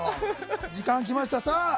時間が来ました。